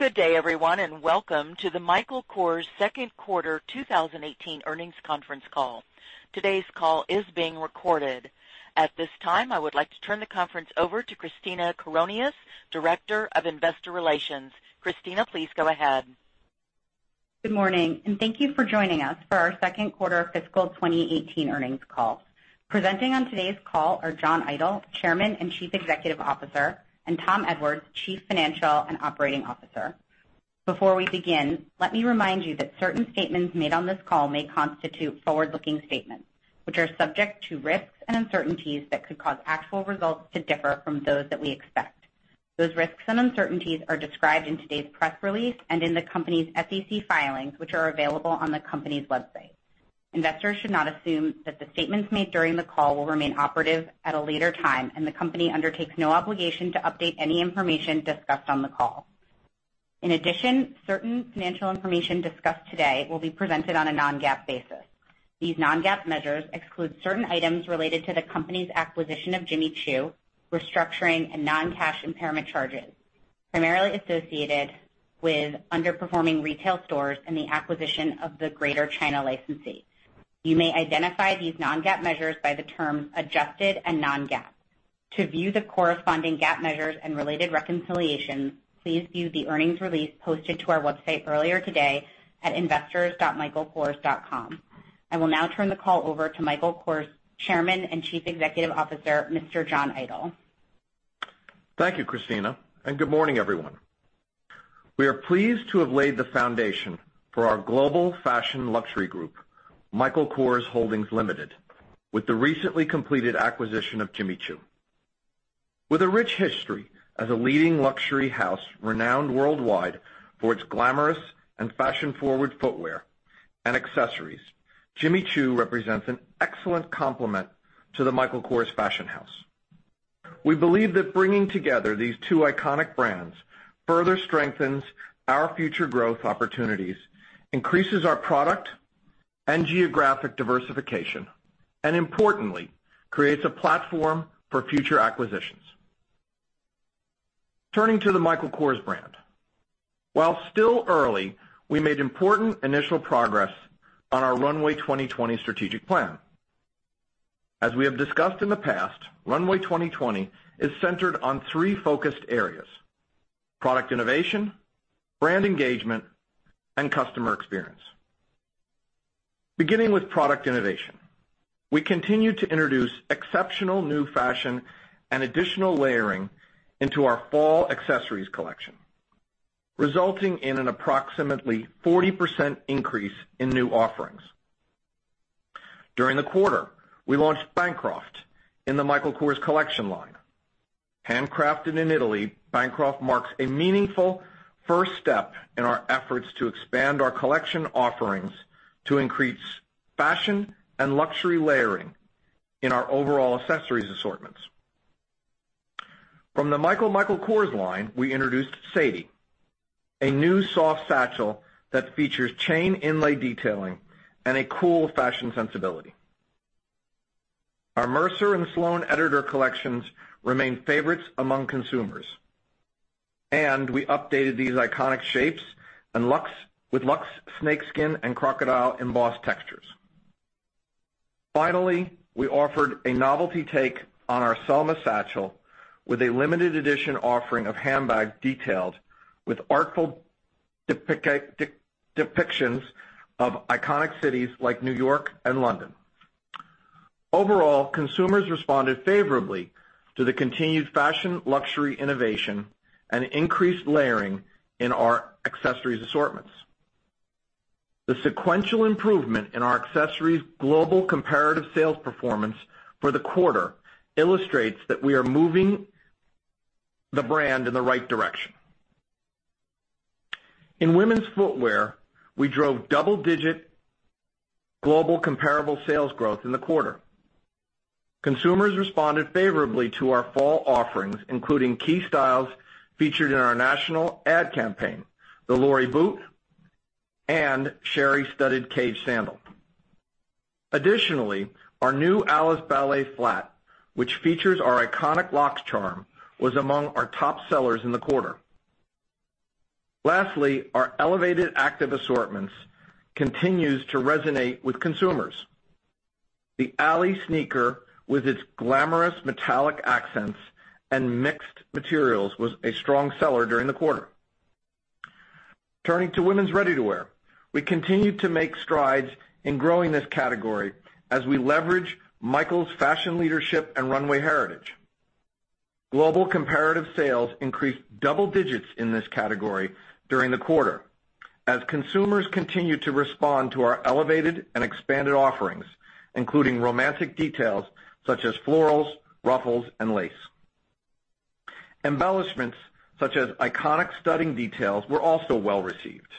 Good day everyone. Welcome to the Michael Kors second quarter 2018 earnings conference call. Today's call is being recorded. At this time, I would like to turn the conference over to Katina Metzidakis, Director of Investor Relations. Christina, please go ahead. Good morning. Thank you for joining us for our second quarter fiscal 2018 earnings call. Presenting on today's call are John Idol, Chairman and Chief Executive Officer, and Tom Edwards, Chief Financial and Operating Officer. Before we begin, let me remind you that certain statements made on this call may constitute forward-looking statements, which are subject to risks and uncertainties that could cause actual results to differ from those that we expect. Those risks and uncertainties are described in today's press release and in the company's SEC filings, which are available on the company's website. Investors should not assume that the statements made during the call will remain operative at a later time, and the company undertakes no obligation to update any information discussed on the call. In addition, certain financial information discussed today will be presented on a non-GAAP basis. These non-GAAP measures exclude certain items related to the company's acquisition of Jimmy Choo, restructuring and non-cash impairment charges primarily associated with underperforming retail stores and the acquisition of the Greater China licensee. You may identify these non-GAAP measures by the terms "adjusted" and "non-GAAP." To view the corresponding GAAP measures and related reconciliations, please view the earnings release posted to our website earlier today at investors.michaelkors.com. I will now turn the call over to Michael Kors Chairman and Chief Executive Officer, Mr. John Idol. Thank you, Christina. Good morning, everyone. We are pleased to have laid the foundation for our global fashion luxury group, Michael Kors Holdings Limited, with the recently completed acquisition of Jimmy Choo. With a rich history as a leading luxury house renowned worldwide for its glamorous and fashion-forward footwear and accessories, Jimmy Choo represents an excellent complement to the Michael Kors fashion house. We believe that bringing together these two iconic brands further strengthens our future growth opportunities, increases our product and geographic diversification, and importantly, creates a platform for future acquisitions. Turning to the Michael Kors brand. While still early, we made important initial progress on our Runway 2020 strategic plan. As we have discussed in the past, Runway 2020 is centered on three focused areas: product innovation, brand engagement, and customer experience. Beginning with product innovation, we continue to introduce exceptional new fashion and additional layering into our fall accessories collection, resulting in an approximately 40% increase in new offerings. During the quarter, we launched Bancroft in the Michael Kors Collection line. Handcrafted in Italy, Bancroft marks a meaningful first step in our efforts to expand our Collection offerings to increase fashion and luxury layering in our overall accessories assortments. From the MICHAEL Michael Kors line, we introduced Sadie, a new soft satchel that features chain inlay detailing and a cool fashion sensibility. Our Mercer and Sloan Editor collections remain favorites among consumers. We updated these iconic shapes with luxe snakeskin and crocodile embossed textures. Finally, we offered a novelty take on our Selma satchel with a limited edition offering of handbag detailed with artful depictions of iconic cities like New York and London. Overall, consumers responded favorably to the continued fashion luxury innovation and increased layering in our accessories assortments. The sequential improvement in our accessories global comparative sales performance for the quarter illustrates that we are moving the brand in the right direction. In women's footwear, we drove double-digit global comparable sales growth in the quarter. Consumers responded favorably to our fall offerings, including key styles featured in our national ad campaign, the Lori boot and Sherry studded cage sandal. Additionally, our new Alice ballet flat, which features our iconic locks charm, was among our top sellers in the quarter. Lastly, our elevated active assortments continues to resonate with consumers. The Allie sneaker, with its glamorous metallic accents and mixed materials, was a strong seller during the quarter. Turning to women's ready-to-wear. We continue to make strides in growing this category as we leverage Michael's fashion leadership and runway heritage. Global comparative sales increased double digits in this category during the quarter as consumers continued to respond to our elevated and expanded offerings, including romantic details such as florals, ruffles, and lace. Embellishments such as iconic studding details were also well-received.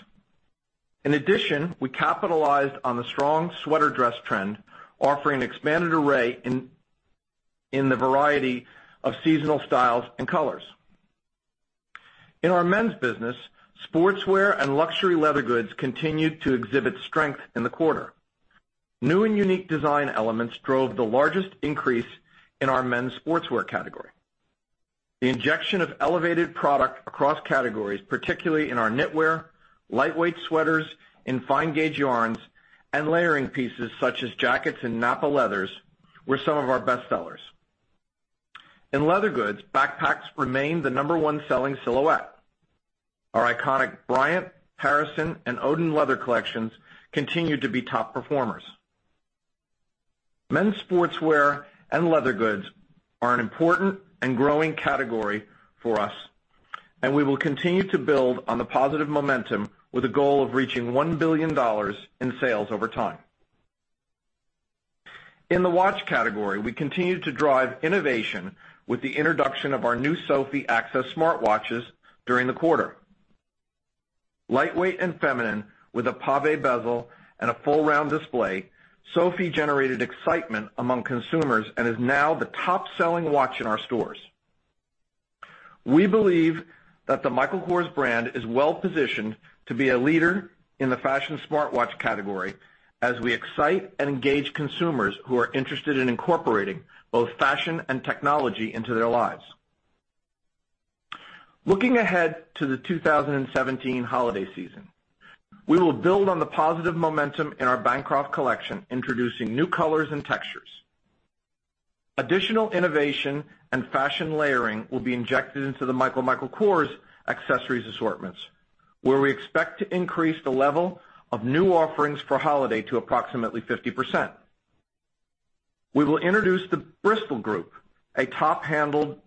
In addition, we capitalized on the strong sweater dress trend, offering an expanded array in the variety of seasonal styles and colors. In our men's business, sportswear and luxury leather goods continued to exhibit strength in the quarter. New and unique design elements drove the largest increase in our men's sportswear category. The injection of elevated product across categories, particularly in our knitwear, lightweight sweaters in fine-gauge yarns, and layering pieces such as jackets and nappa leathers, were some of our bestsellers. In leather goods, backpacks remained the number one selling silhouette. Our iconic Bryant, Harrison, and Odin leather collections continued to be top performers. Men's sportswear and leather goods are an important and growing category for us. We will continue to build on the positive momentum with a goal of reaching $1 billion in sales over time. In the watch category, we continued to drive innovation with the introduction of our new Sofie Access smartwatches during the quarter. Lightweight and feminine with a pave bezel and a full round display, Sofie generated excitement among consumers and is now the top-selling watch in our stores. We believe that the Michael Kors brand is well-positioned to be a leader in the fashion smartwatch category as we excite and engage consumers who are interested in incorporating both fashion and technology into their lives. Looking ahead to the 2017 holiday season, we will build on the positive momentum in our Bancroft collection, introducing new colors and textures. Additional innovation and fashion layering will be injected into the MICHAEL Michael Kors accessories assortments, where we expect to increase the level of new offerings for holiday to approximately 50%. We will introduce the Bristol group, a top-handled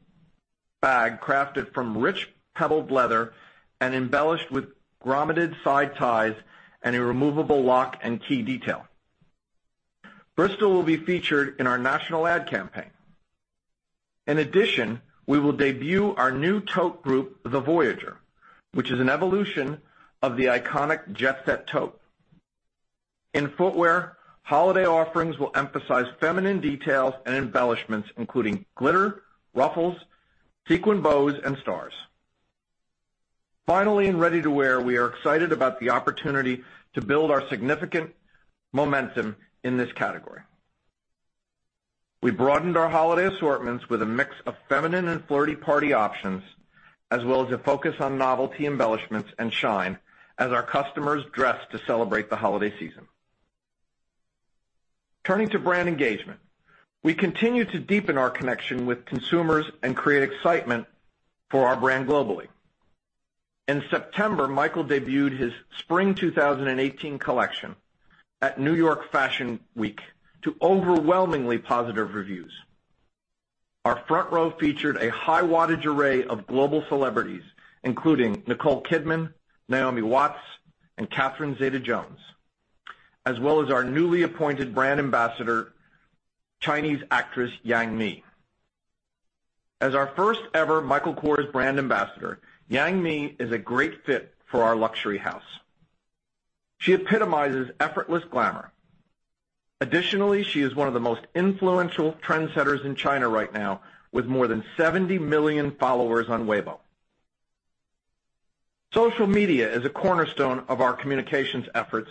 bag crafted from rich pebbled leather and embellished with grommeted side ties and a removable lock and key detail. Bristol will be featured in our national ad campaign. We will debut our new tote group, the Voyager, which is an evolution of the iconic Jet Set tote. In footwear, holiday offerings will emphasize feminine details and embellishments, including glitter, ruffles, sequin bows, and stars. In ready-to-wear, we are excited about the opportunity to build our significant momentum in this category. We broadened our holiday assortments with a mix of feminine and flirty party options, as well as a focus on novelty embellishments and shine as our customers dress to celebrate the holiday season. Turning to brand engagement, we continue to deepen our connection with consumers and create excitement for our brand globally. In September, Michael debuted his spring 2018 collection at New York Fashion Week to overwhelmingly positive reviews. Our front row featured a high-wattage array of global celebrities, including Nicole Kidman, Naomi Watts, and Catherine Zeta-Jones, as well as our newly appointed brand ambassador, Chinese actress Yang Mi. As our first-ever Michael Kors brand ambassador, Yang Mi is a great fit for our luxury house. She epitomizes effortless glamour. She is one of the most influential trendsetters in China right now, with more than 70 million followers on Weibo. Social media is a cornerstone of our communications efforts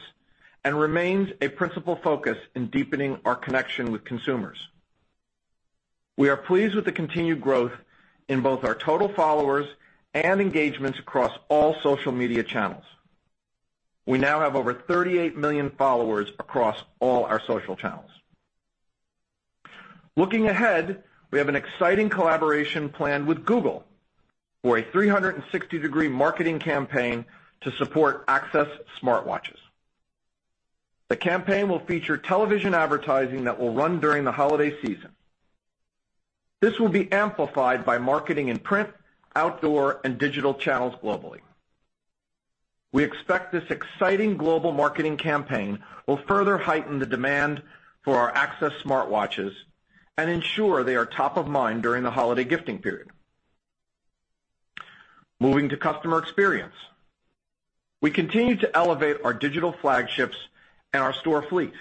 and remains a principal focus in deepening our connection with consumers. We are pleased with the continued growth in both our total followers and engagements across all social media channels. We now have over 38 million followers across all our social channels. We have an exciting collaboration planned with Google for a 360-degree marketing campaign to support Access smartwatches. The campaign will feature television advertising that will run during the holiday season. This will be amplified by marketing in print, outdoor, and digital channels globally. We expect this exciting global marketing campaign will further heighten the demand for our Access smartwatches and ensure they are top of mind during the holiday gifting period. Moving to customer experience. We continue to elevate our digital flagships and our store fleet.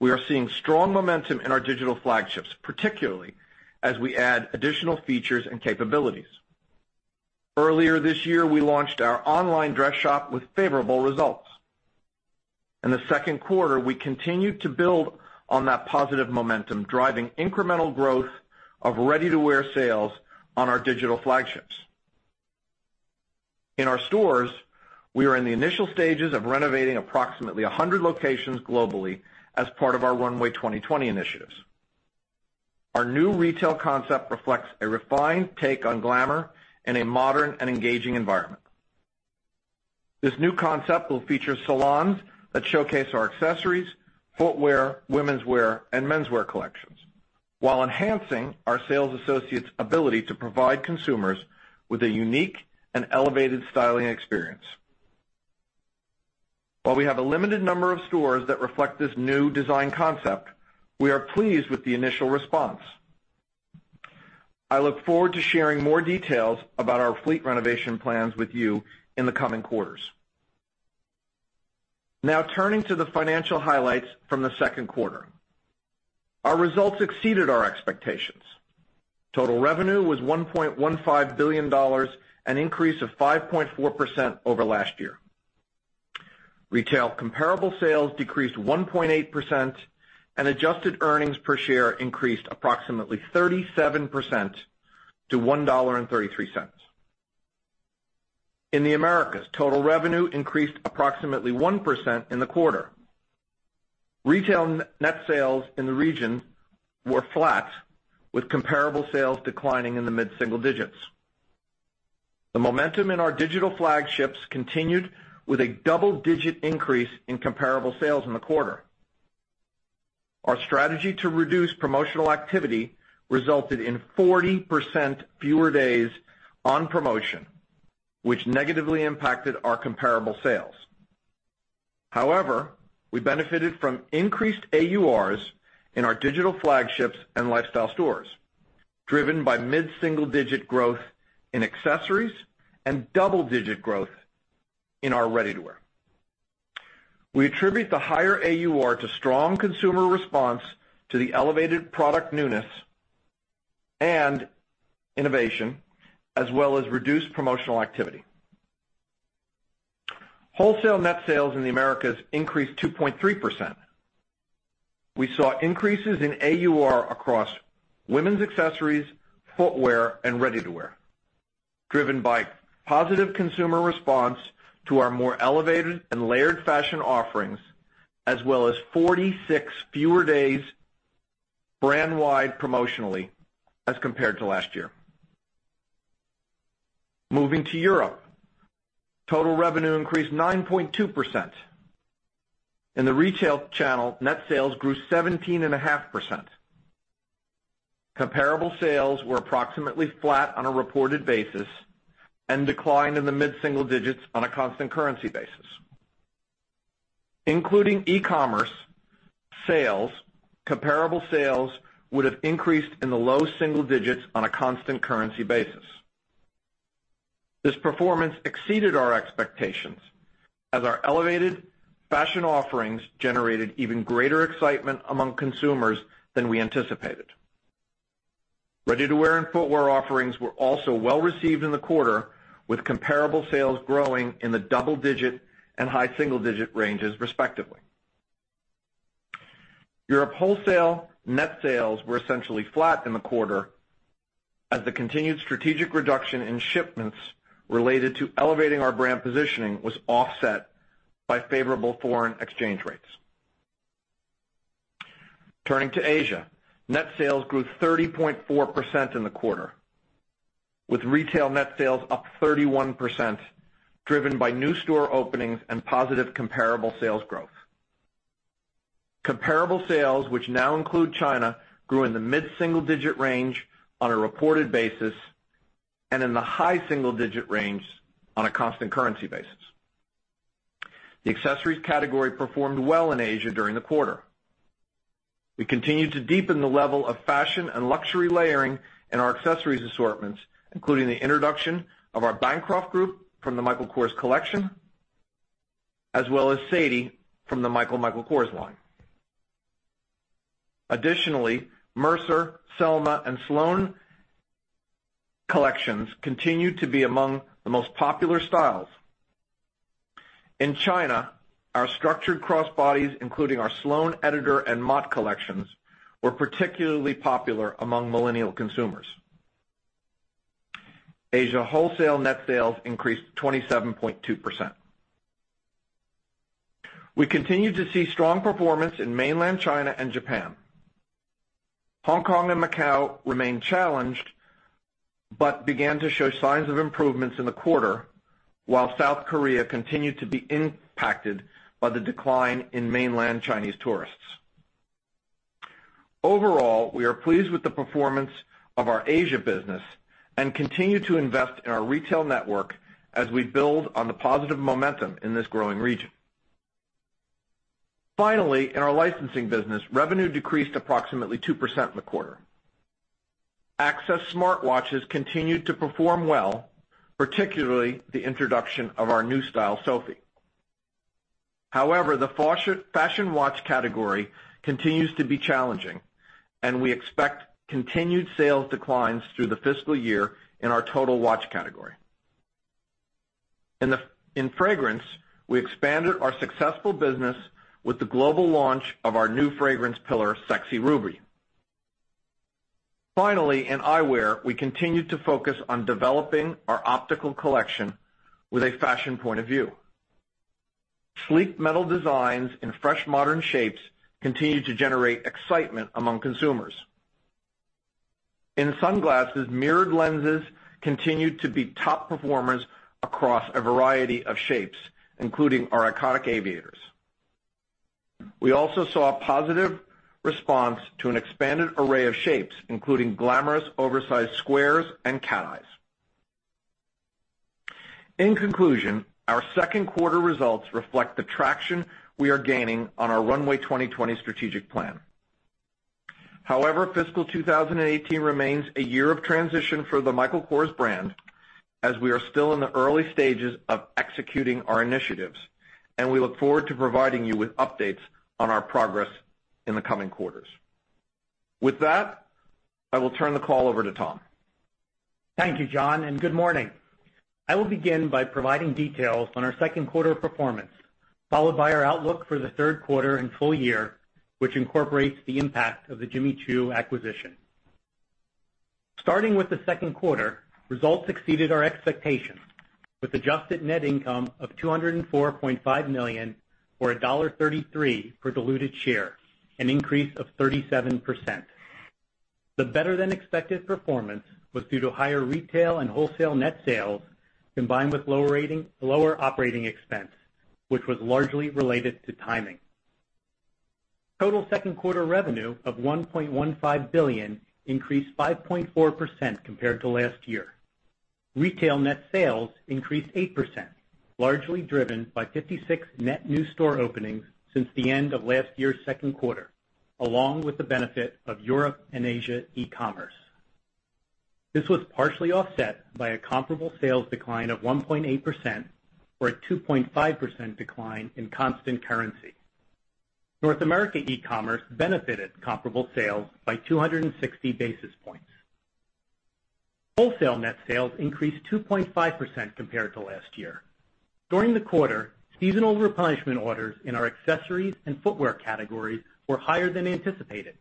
We are seeing strong momentum in our digital flagships, particularly as we add additional features and capabilities. Earlier this year, we launched our online dress shop with favorable results. In the second quarter, we continued to build on that positive momentum, driving incremental growth of ready-to-wear sales on our digital flagships. In our stores, we are in the initial stages of renovating approximately 100 locations globally as part of our Runway 2020 initiatives. Our new retail concept reflects a refined take on glamour in a modern and engaging environment. This new concept will feature salons that showcase our accessories, footwear, womenswear, and menswear collections while enhancing our sales associates' ability to provide consumers with a unique and elevated styling experience. While we have a limited number of stores that reflect this new design concept, we are pleased with the initial response. I look forward to sharing more details about our fleet renovation plans with you in the coming quarters. Turning to the financial highlights from the second quarter. Our results exceeded our expectations. Total revenue was $1.15 billion, an increase of 5.4% over last year. Retail comparable sales decreased 1.8%. Adjusted earnings per share increased approximately 37% to $1.33. In the Americas, total revenue increased approximately 1% in the quarter. Retail net sales in the region were flat, with comparable sales declining in the mid-single digits. The momentum in our digital flagships continued with a double-digit increase in comparable sales in the quarter. Our strategy to reduce promotional activity resulted in 40% fewer days on promotion, which negatively impacted our comparable sales. We benefited from increased AURs in our digital flagships and lifestyle stores, driven by mid-single-digit growth in accessories and double-digit growth in our ready-to-wear. We attribute the higher AUR to strong consumer response to the elevated product newness and innovation, as well as reduced promotional activity. Wholesale net sales in the Americas increased 2.3%. We saw increases in AUR across women's accessories, footwear, and ready-to-wear, driven by positive consumer response to our more elevated and layered fashion offerings, as well as 46 fewer days brand-wide promotionally as compared to last year. Moving to Europe, total revenue increased 9.2%. In the retail channel, net sales grew 17.5%. Comparable sales were approximately flat on a reported basis and declined in the mid-single digits on a constant currency basis. Including e-commerce sales, comparable sales would have increased in the low single digits on a constant currency basis. This performance exceeded our expectations as our elevated fashion offerings generated even greater excitement among consumers than we anticipated. Ready-to-wear and footwear offerings were also well-received in the quarter, with comparable sales growing in the double-digit and high single-digit ranges respectively. Europe wholesale net sales were essentially flat in the quarter as the continued strategic reduction in shipments related to elevating our brand positioning was offset by favorable foreign exchange rates. Turning to Asia. Net sales grew 30.4% in the quarter, with retail net sales up 31%, driven by new store openings and positive comparable sales growth. Comparable sales, which now include China, grew in the mid-single-digit range on a reported basis and in the high single-digit range on a constant currency basis. The accessories category performed well in Asia during the quarter. We continued to deepen the level of fashion and luxury layering in our accessories assortments, including the introduction of our Bancroft group from the Michael Kors Collection, as well as Sadie from the MICHAEL Michael Kors line. Mercer, Selma, and Sloane collections continue to be among the most popular styles. In China, our structured crossbodies, including our Sloane Editor and Mott collections, were particularly popular among millennial consumers. Asia wholesale net sales increased 27.2%. We continued to see strong performance in mainland China and Japan. Hong Kong and Macau remained challenged but began to show signs of improvements in the quarter, while South Korea continued to be impacted by the decline in mainland Chinese tourists. Overall, we are pleased with the performance of our Asia business and continue to invest in our retail network as we build on the positive momentum in this growing region. Finally, in our licensing business, revenue decreased approximately 2% in the quarter. Access smartwatches continued to perform well, particularly the introduction of our new style, Sofie. However, the fashion watch category continues to be challenging, and we expect continued sales declines through the fiscal year in our total watch category. In fragrance, we expanded our successful business with the global launch of our new fragrance pillar, Sexy Ruby. Finally, in eyewear, we continued to focus on developing our optical collection with a fashion point of view. Sleek metal designs in fresh modern shapes continue to generate excitement among consumers. In sunglasses, mirrored lenses continued to be top performers across a variety of shapes, including our iconic aviators. We also saw a positive response to an expanded array of shapes, including glamorous oversized squares and cat eyes. In conclusion, our second quarter results reflect the traction we are gaining on our Runway 2020 strategic plan. However, fiscal 2018 remains a year of transition for the Michael Kors brand, as we are still in the early stages of executing our initiatives, and we look forward to providing you with updates on our progress in the coming quarters. With that, I will turn the call over to Tom. Thank you, John, and good morning. I will begin by providing details on our second quarter performance, followed by our outlook for the third quarter and full year, which incorporates the impact of the Jimmy Choo acquisition. Starting with the second quarter, results exceeded our expectations, with adjusted net income of $204.5 million, or $1.33 per diluted share, an increase of 37%. The better-than-expected performance was due to higher retail and wholesale net sales, combined with lower operating expense, which was largely related to timing. Total second quarter revenue of $1.15 billion increased 5.4% compared to last year. Retail net sales increased 8%, largely driven by 56 net new store openings since the end of last year's second quarter, along with the benefit of Europe and Asia e-commerce. This was partially offset by a comparable sales decline of 1.8%, or a 2.5% decline in constant currency. North America e-commerce benefited comparable sales by 260 basis points. Wholesale net sales increased 2.5% compared to last year. During the quarter, seasonal replenishment orders in our accessories and footwear categories were higher than anticipated,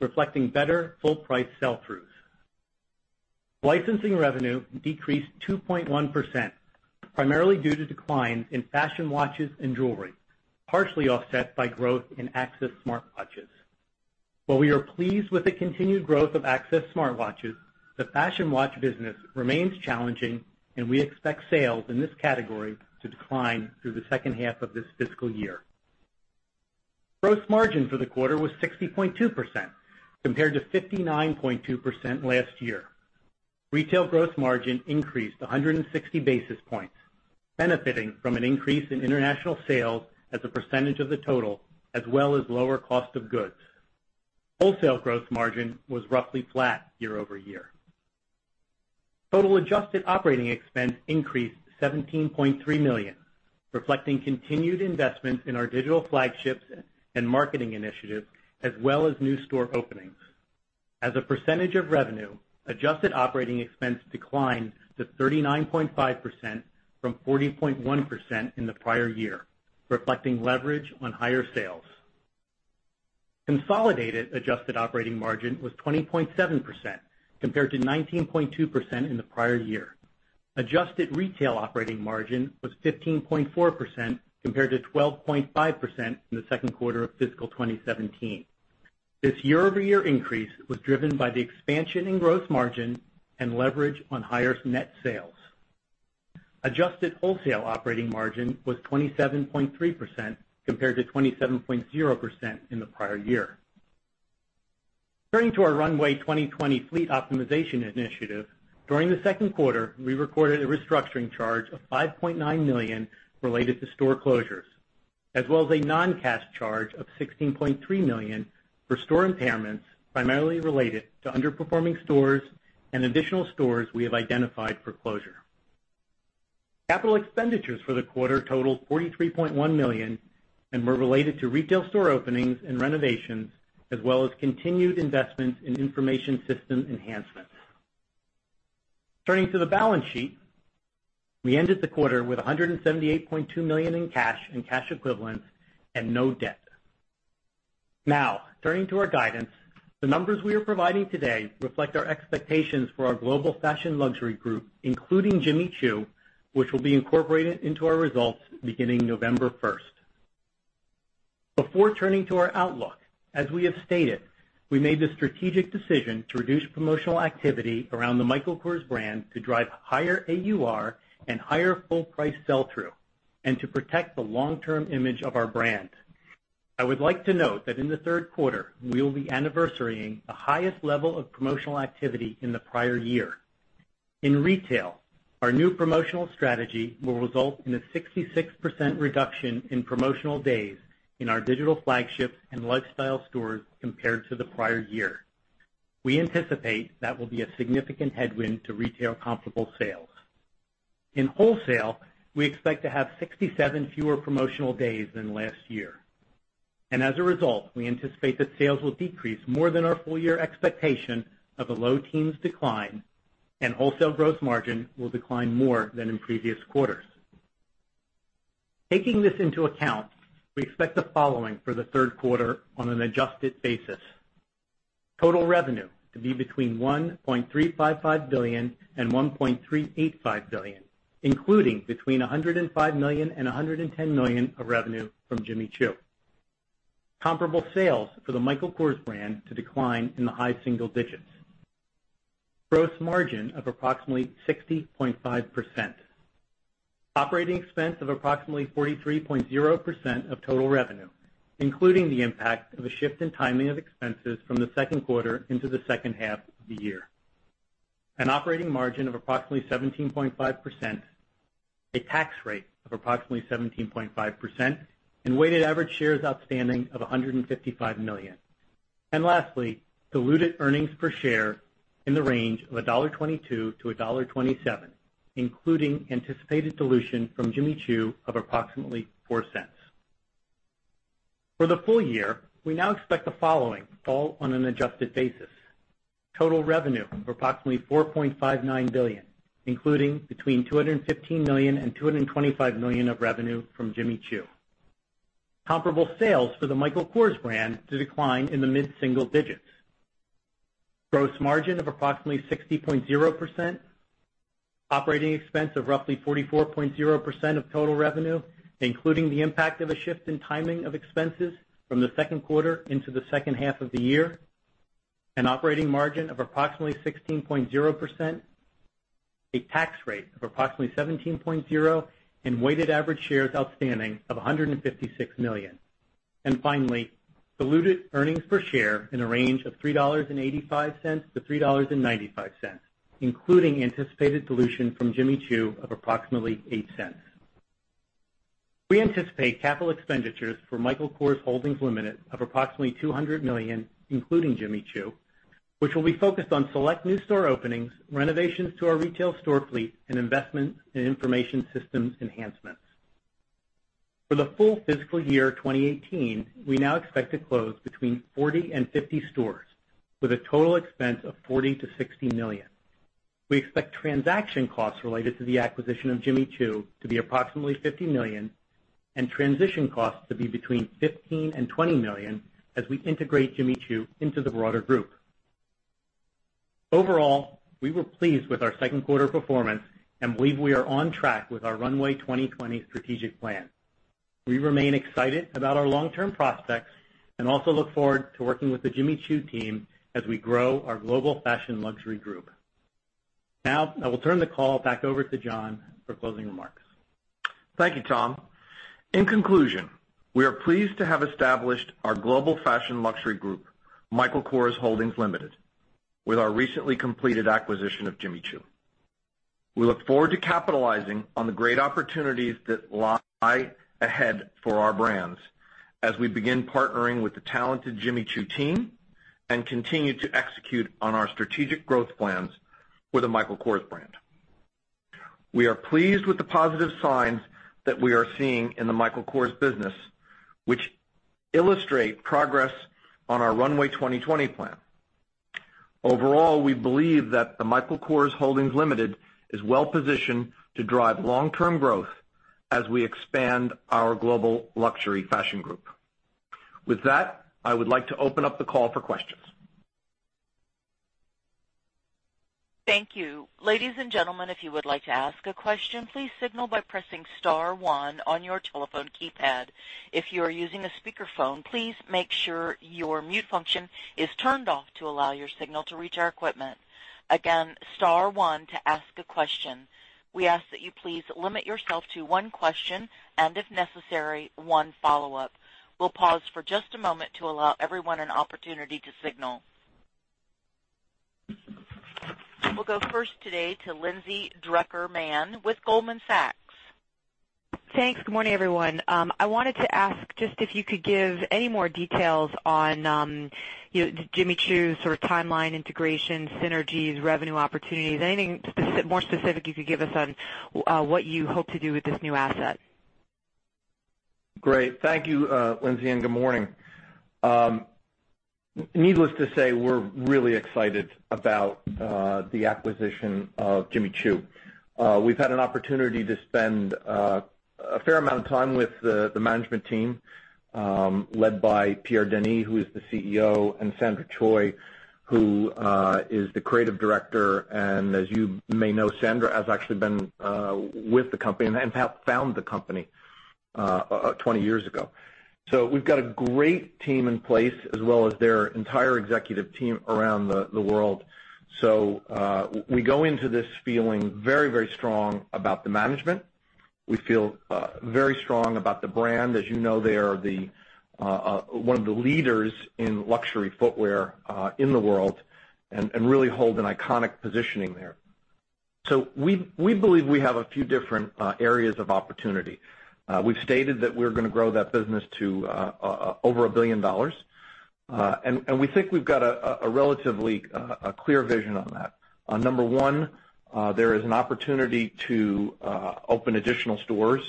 reflecting better full price sell-throughs. Licensing revenue decreased 2.1%, primarily due to declines in fashion watches and jewelry, partially offset by growth in Access smartwatches. While we are pleased with the continued growth of Access smartwatches, the fashion watch business remains challenging, and we expect sales in this category to decline through the second half of this fiscal year. Gross margin for the quarter was 60.2%, compared to 59.2% last year. Retail gross margin increased 160 basis points, benefiting from an increase in international sales as a percentage of the total, as well as lower cost of goods. Wholesale gross margin was roughly flat year-over-year. Total adjusted operating expense increased to $17.3 million, reflecting continued investments in our digital flagships and marketing initiatives, as well as new store openings. As a percentage of revenue, adjusted operating expense declined to 39.5% from 40.1% in the prior year, reflecting leverage on higher sales. Consolidated adjusted operating margin was 20.7%, compared to 19.2% in the prior year. Adjusted retail operating margin was 15.4%, compared to 12.5% in the second quarter of FY 2017. This year-over-year increase was driven by the expansion in gross margin and leverage on higher net sales. Adjusted wholesale operating margin was 27.3%, compared to 27.0% in the prior year. Turning to our Runway 2020 fleet optimization initiative. During the second quarter, we recorded a restructuring charge of $5.9 million related to store closures, as well as a non-cash charge of $16.3 million for store impairments, primarily related to underperforming stores and additional stores we have identified for closure. Capital expenditures for the quarter totaled $43.1 million and were related to retail store openings and renovations, as well as continued investments in information system enhancements. Turning to the balance sheet, we ended the quarter with $178.2 million in cash and cash equivalents and no debt. Turning to our guidance. The numbers we are providing today reflect our expectations for our global fashion luxury group, including Jimmy Choo, which will be incorporated into our results beginning November 1st. Before turning to our outlook, as we have stated, we made the strategic decision to reduce promotional activity around the Michael Kors brand to drive higher AUR and higher full price sell-through, and to protect the long-term image of our brand. I would like to note that in the third quarter, we will be anniversarying the highest level of promotional activity in the prior year. In retail, our new promotional strategy will result in a 66% reduction in promotional days in our digital flagships and lifestyle stores compared to the prior year. In wholesale, we expect to have 67 fewer promotional days than last year. As a result, we anticipate that sales will decrease more than our full-year expectation of a low teens decline, and wholesale gross margin will decline more than in previous quarters. Taking this into account, we expect the following for the third quarter on an adjusted basis. Total revenue to be between $1.355 billion and $1.385 billion, including between $105 million and $110 million of revenue from Jimmy Choo. Comparable sales for the Michael Kors brand to decline in the high single digits. Gross margin of approximately 60.5%. Operating expense of approximately 43.0% of total revenue, including the impact of a shift in timing of expenses from the second quarter into the second half of the year. An operating margin of approximately 17.5%, a tax rate of approximately 17.5%, and weighted average shares outstanding of 155 million. Lastly, diluted earnings per share in the range of $1.22 to $1.27, including anticipated dilution from Jimmy Choo of approximately $0.04. For the full-year, we now expect the following, all on an adjusted basis. Total revenue of approximately $4.59 billion, including between $215 million and $225 million of revenue from Jimmy Choo. Comparable sales for the Michael Kors brand to decline in the mid-single digits. Gross margin of approximately 60.0%. Operating expense of roughly 44.0% of total revenue, including the impact of a shift in timing of expenses from the second quarter into the second half of the year. An operating margin of approximately 16.0%. A tax rate of approximately 17.0%, and weighted average shares outstanding of 156 million. Finally, diluted earnings per share in a range of $3.85-$3.95, including anticipated dilution from Jimmy Choo of approximately $0.08. We anticipate capital expenditures for Michael Kors Holdings Limited of approximately $200 million, including Jimmy Choo, which will be focused on select new store openings, renovations to our retail store fleet, and investments in information systems enhancements. For the full fiscal year 2018, we now expect to close between 40 and 50 stores with a total expense of $40 million-$60 million. We expect transaction costs related to the acquisition of Jimmy Choo to be approximately $50 million and transition costs to be between $15 million and $20 million as we integrate Jimmy Choo into the broader group. Overall, we were pleased with our second quarter performance and believe we are on track with our Runway 2020 strategic plan. We remain excited about our long-term prospects and also look forward to working with the Jimmy Choo team as we grow our global fashion luxury group. I will turn the call back over to John for closing remarks. Thank you, Tom. In conclusion, we are pleased to have established our global fashion luxury group, Michael Kors Holdings Limited, with our recently completed acquisition of Jimmy Choo. We look forward to capitalizing on the great opportunities that lie ahead for our brands as we begin partnering with the talented Jimmy Choo team and continue to execute on our strategic growth plans with the Michael Kors brand. We are pleased with the positive signs that we are seeing in the Michael Kors business, which illustrate progress on our Runway 2020 plan. Overall, we believe that Michael Kors Holdings Limited is well-positioned to drive long-term growth as we expand our global luxury fashion group. I would like to open up the call for questions. Thank you. Ladies and gentlemen, if you would like to ask a question, please signal by pressing *1 on your telephone keypad. If you are using a speakerphone, please make sure your mute function is turned off to allow your signal to reach our equipment. Again, *1 to ask a question. We ask that you please limit yourself to one question and, if necessary, one follow-up. We will pause for just a moment to allow everyone an opportunity to signal. We will go first today to Lindsay Drucker Mann with Goldman Sachs. Thanks. Good morning, everyone. I wanted to ask just if you could give any more details on Jimmy Choo's sort of timeline integration, synergies, revenue opportunities, anything more specific you could give us on what you hope to do with this new asset. Great. Thank you, Lindsay. Good morning. Needless to say, we're really excited about the acquisition of Jimmy Choo. We've had an opportunity to spend a fair amount of time with the management team, led by Pierre Denis, who is the CEO, and Sandra Choi, who is the Creative Director. As you may know, Sandra has actually been with the company and helped found the company 20 years ago. We've got a great team in place, as well as their entire executive team around the world. We go into this feeling very strong about the management. We feel very strong about the brand. As you know, they are one of the leaders in luxury footwear in the world and really hold an iconic positioning there. We believe we have a few different areas of opportunity. We've stated that we're going to grow that business to over $1 billion, and we think we've got a relatively clear vision on that. Number one, there is an opportunity to open additional stores,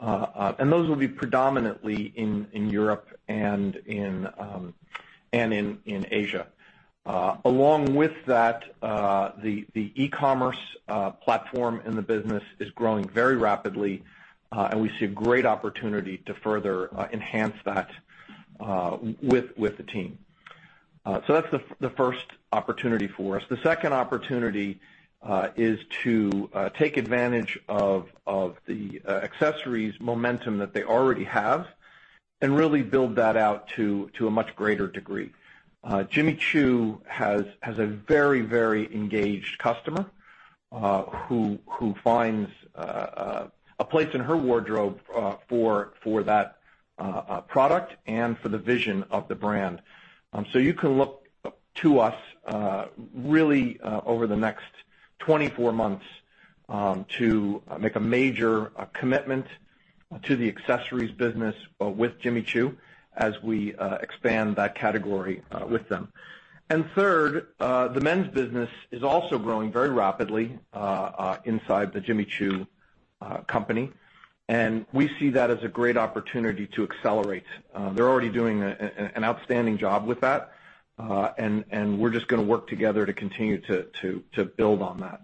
and those will be predominantly in Europe and in Asia. Along with that, the e-commerce platform in the business is growing very rapidly, we see a great opportunity to further enhance that with the team. That's the first opportunity for us. The second opportunity is to take advantage of the accessories momentum that they already have and really build that out to a much greater degree. Jimmy Choo has a very engaged customer who finds a place in her wardrobe for that product and for the vision of the brand. You can look to us really over the next 24 months to make a major commitment to the accessories business with Jimmy Choo as we expand that category with them. Third, the men's business is also growing very rapidly inside the Jimmy Choo company, and we see that as a great opportunity to accelerate. They're already doing an outstanding job with that, and we're just going to work together to continue to build on that.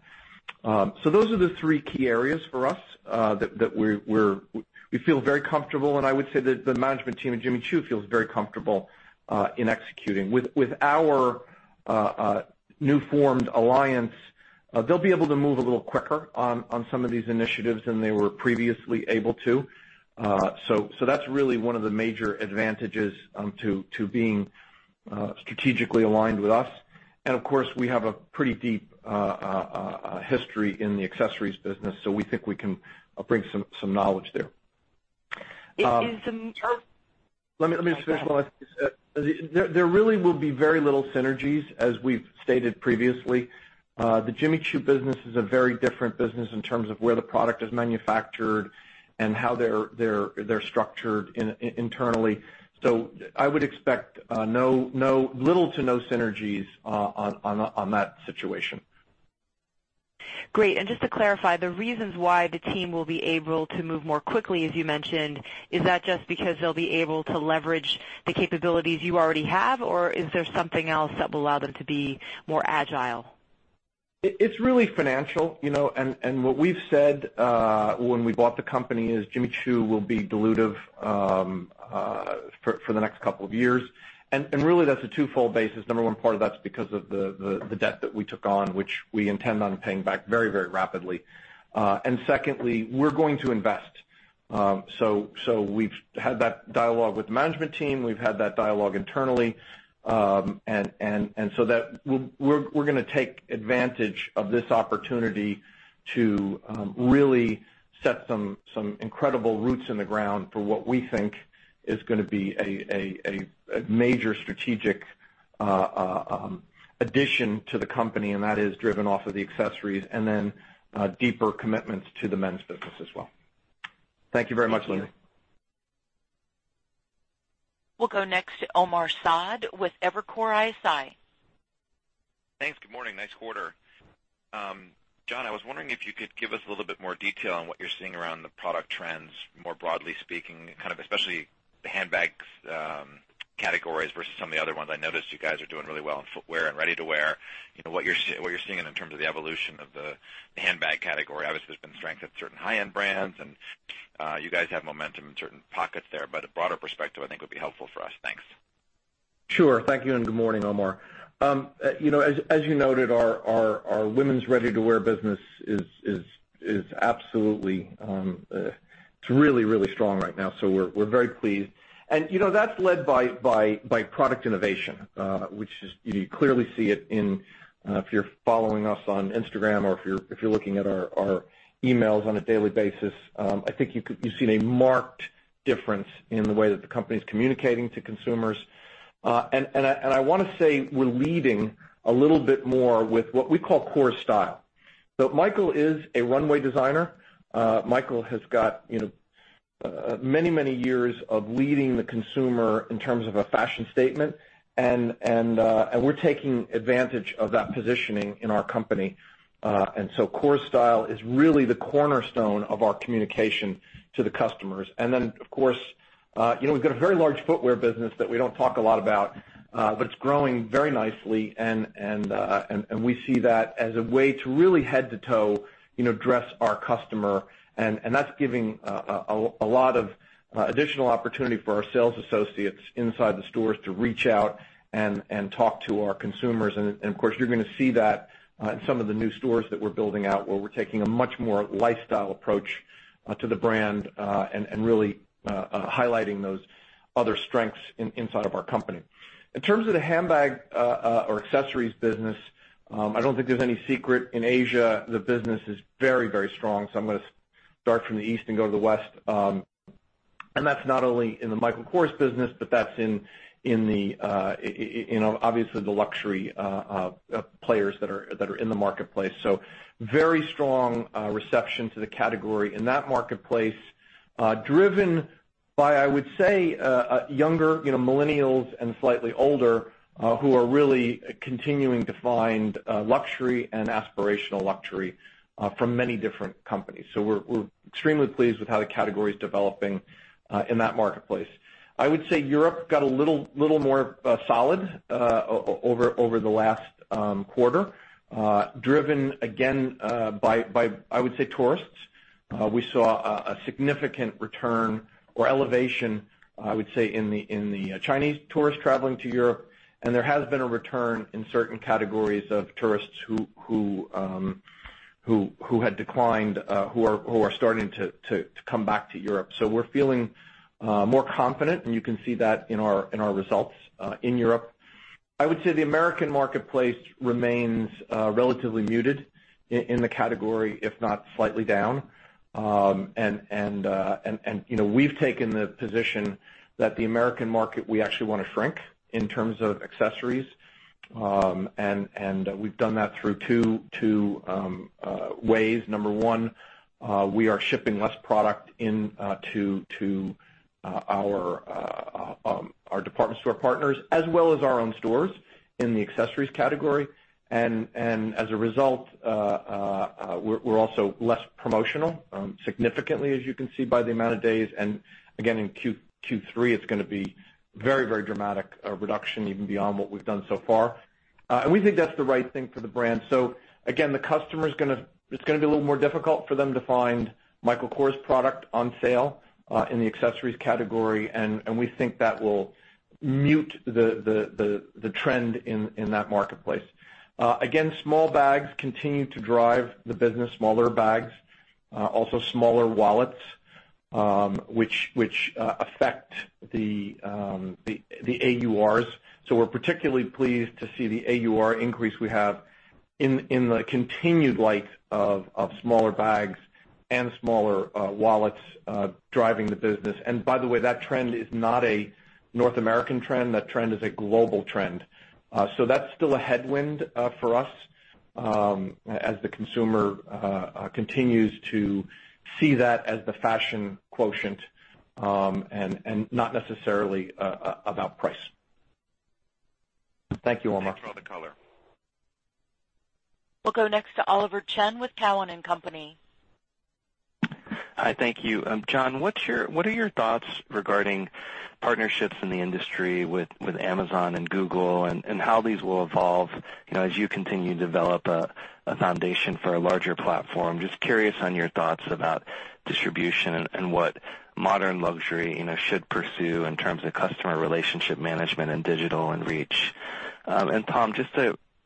Those are the three key areas for us that we feel very comfortable, and I would say that the management team at Jimmy Choo feels very comfortable in executing. With our new formed alliance, they'll be able to move a little quicker on some of these initiatives than they were previously able to. That's really one of the major advantages to being strategically aligned with us. Of course, we have a pretty deep history in the accessories business, so we think we can bring some knowledge there. Is some- Let me just finish. Okay. There really will be very little synergies, as we've stated previously. The Jimmy Choo business is a very different business in terms of where the product is manufactured and how they're structured internally. I would expect little to no synergies on that situation. Just to clarify, the reasons why the team will be able to move more quickly, as you mentioned, is that just because they'll be able to leverage the capabilities you already have, or is there something else that will allow them to be more agile? It's really financial. What we've said when we bought the company is Jimmy Choo will be dilutive for the next couple of years. Really that's a twofold basis. Number one part of that is because of the debt that we took on, which we intend on paying back very rapidly. Secondly, we're going to invest. We've had that dialogue with the management team, we've had that dialogue internally. We're going to take advantage of this opportunity to really set some incredible roots in the ground for what we think is going to be a major strategic addition to the company, and that is driven off of the accessories and then deeper commitments to the men's business as well. Thank you very much, Lindsay. Thank you. We'll go next to Omar Saad with Evercore ISI. Thanks. Good morning. Nice quarter. John, I was wondering if you could give us a little bit more detail on what you're seeing around the product trends more broadly speaking, especially the handbags categories versus some of the other ones. I noticed you guys are doing really well in footwear and ready-to-wear. What you're seeing in terms of the evolution of the handbag category. Obviously, there's been strength at certain high-end brands, and you guys have momentum in certain pockets there. A broader perspective, I think, would be helpful for us. Thanks. Sure. Thank you, and good morning, Omar. As you noted, our women's ready-to-wear business is absolutely really strong right now. We're very pleased. That's led by product innovation, which you clearly see it if you're following us on Instagram or if you're looking at our emails on a daily basis. I think you've seen a marked difference in the way that the company is communicating to consumers. I want to say we're leading a little bit more with what we call Core Style. Michael is a runway designer. Michael has got many years of leading the consumer in terms of a fashion statement, and we're taking advantage of that positioning in our company. Core Style is really the cornerstone of our communication to the customers. Of course, we've got a very large footwear business that we don't talk a lot about, but it's growing very nicely, and we see that as a way to really head to toe dress our customer. That's giving a lot of additional opportunity for our sales associates inside the stores to reach out and talk to our consumers. Of course, you're going to see that in some of the new stores that we're building out, where we're taking a much more lifestyle approach to the brand and really highlighting those other strengths inside of our company. In terms of the handbag or accessories business, I don't think there's any secret. In Asia, the business is very strong. I'm going to start from the East and go to the West. That's not only in the Michael Kors business, but that's in, obviously, the luxury players that are in the marketplace. Very strong reception to the category in that marketplace, driven by, I would say, younger millennials and slightly older who are really continuing to find luxury and aspirational luxury from many different companies. We're extremely pleased with how the category is developing in that marketplace. I would say Europe got a little more solid over the last quarter, driven again by, I would say, tourists. We saw a significant return or elevation, I would say, in the Chinese tourists traveling to Europe, and there has been a return in certain categories of tourists who had declined, who are starting to come back to Europe. We're feeling more confident, and you can see that in our results in Europe. I would say the American marketplace remains relatively muted in the category, if not slightly down. We've taken the position that the American market, we actually want to shrink in terms of accessories. We've done that through two ways. Number one, we are shipping less product into our department store partners as well as our own stores in the accessories category. As a result, we're also less promotional, significantly, as you can see by the amount of days. Again, in Q3, it's going to be very dramatic reduction even beyond what we've done so far. We think that's the right thing for the brand. Again, the customer, it's going to be a little more difficult for them to find Michael Kors product on sale in the accessories category. We think that will mute the trend in that marketplace. Small bags continue to drive the business, smaller bags, also smaller wallets, which affect the AURs. We're particularly pleased to see the AUR increase we have in the continued light of smaller bags and smaller wallets driving the business. By the way, that trend is not a North American trend. That trend is a global trend. That's still a headwind for us as the consumer continues to see that as the fashion quotient and not necessarily about price. Thank you, Omar. Thanks for all the color. We'll go next to Oliver Chen with Cowen and Company. Hi, thank you. John, what are your thoughts regarding partnerships in the industry with Amazon and Google, and how these will evolve as you continue to develop a foundation for a larger platform? Just curious on your thoughts about distribution and what modern luxury should pursue in terms of customer relationship management and digital and reach. Tom, just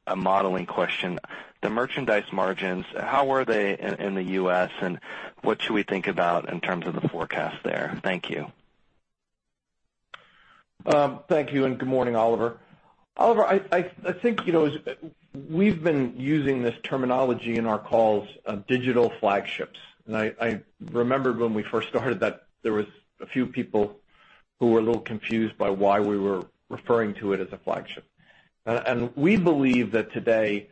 a modeling question. The merchandise margins, how were they in the U.S., and what should we think about in terms of the forecast there? Thank you. Thank you and good morning, Oliver. Oliver, I think we've been using this terminology in our calls of digital flagships. I remember when we first started that there was a few people who were a little confused by why we were referring to it as a flagship. We believe that today,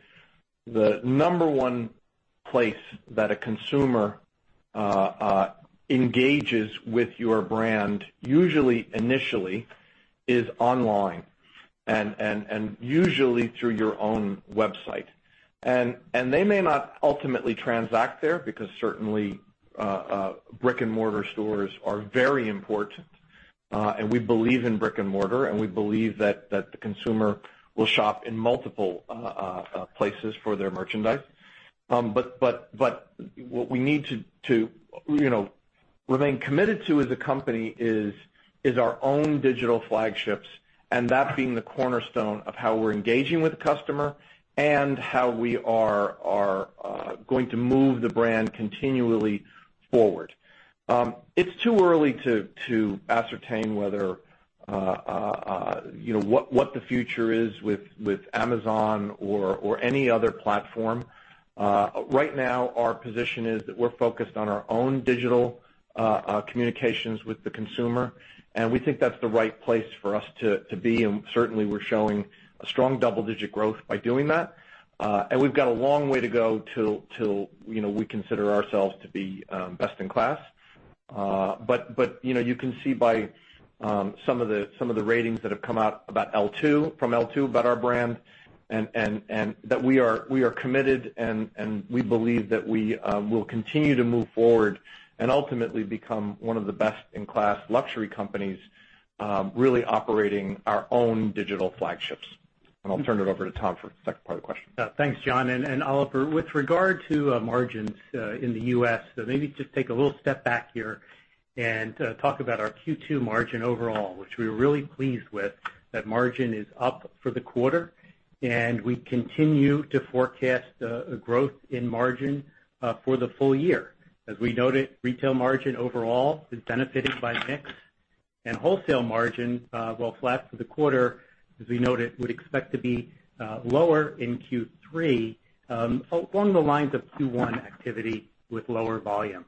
the number one place that a consumer engages with your brand, usually initially, is online, and usually through your own website. They may not ultimately transact there because certainly, brick and mortar stores are very important. We believe in brick and mortar, and we believe that the consumer will shop in multiple places for their merchandise. What we need to remain committed to as a company is our own digital flagships, and that being the cornerstone of how we're engaging with the customer and how we are going to move the brand continually forward. It's too early to ascertain what the future is with Amazon or any other platform. Right now our position is that we're focused on our own digital communications with the consumer, and we think that's the right place for us to be, and certainly we're showing a strong double-digit growth by doing that. We've got a long way to go till we consider ourselves to be best in class. You can see by some of the ratings that have come out from L2 about our brand, and that we are committed, and we believe that we will continue to move forward and ultimately become one of the best in class luxury companies really operating our own digital flagships. I'll turn it over to Tom for the second part of the question. Thanks, John. Oliver, with regard to margins in the U.S., maybe just take a little step back here and talk about our Q2 margin overall, which we're really pleased with. That margin is up for the quarter, we continue to forecast a growth in margin for the full year. As we noted, retail margin overall is benefiting by mix and wholesale margin, while flat for the quarter, as we noted, would expect to be lower in Q3 along the lines of Q1 activity with lower volume.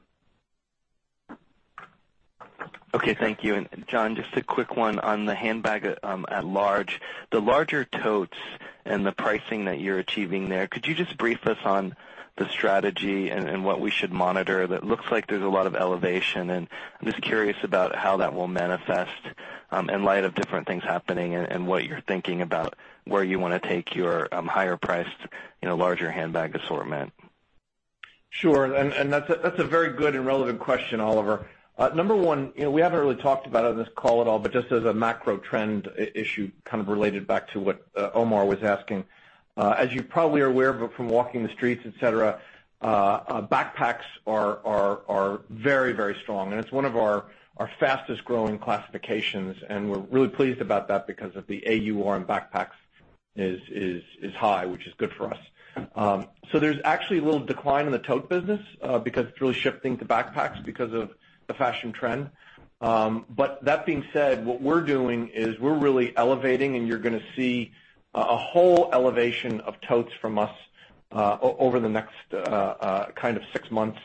Okay. Thank you. John, just a quick one on the handbag at large. The larger totes and the pricing that you're achieving there, could you just brief us on the strategy and what we should monitor? That looks like there's a lot of elevation, I'm just curious about how that will manifest in light of different things happening and what you're thinking about where you want to take your higher priced, larger handbag assortment. Sure. That's a very good and relevant question, Oliver. Number one, we haven't really talked about it on this call at all, just as a macro trend issue kind of related back to what Omar was asking. As you probably are aware from walking the streets, et cetera, backpacks are very strong, it's one of our fastest-growing classifications, and we're really pleased about that because of the AUR in backpacks is high, which is good for us. There's actually a little decline in the tote business because it's really shifting to backpacks because of the fashion trend. That being said, what we're doing is we're really elevating, you're going to see a whole elevation of totes from us over the next six months,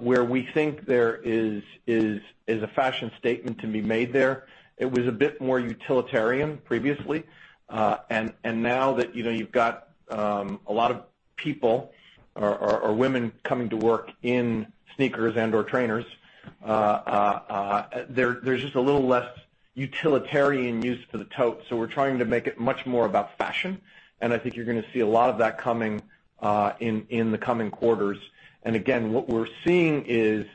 where we think there is a fashion statement to be made there. It was a bit more utilitarian previously. Now that you've got a lot of people or women coming to work in sneakers and/or trainers, there's just a little less utilitarian use for the tote. We're trying to make it much more about fashion, I think you're going to see a lot of that coming in the coming quarters. Again, what we're seeing is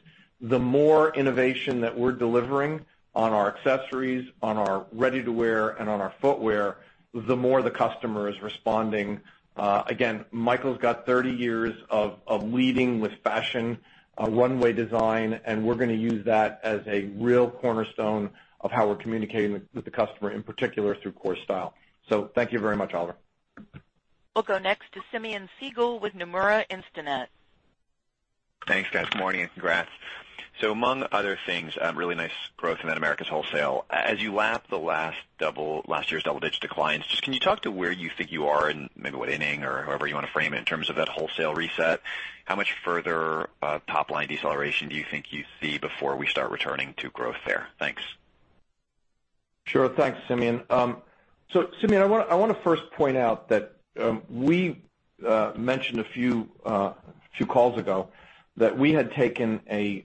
the more innovation that we're delivering on our accessories, on our ready-to-wear, and on our footwear, the more the customer is responding. Again, Michael's got 30 years of leading with fashion, one-way design, we're going to use that as a real cornerstone of how we're communicating with the customer, in particular through Core Style. Thank you very much, Oliver. We'll go next to Simeon Siegel with Nomura Instinet. Thanks, guys. Good morning, and congrats. Among other things, really nice growth in that Americas wholesale. As you lap the last year's double-digit declines, just can you talk to where you think you are and maybe what inning or however you want to frame it in terms of that wholesale reset? How much further top-line deceleration do you think you see before we start returning to growth there? Thanks. Sure. Thanks, Simeon. Simeon, I want to first point out that we mentioned a few calls ago that we had taken a